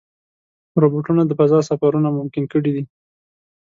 روبوټونه د فضا سفرونه ممکن کړي دي.